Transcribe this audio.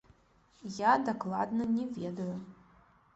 Я дакладна не ведаю.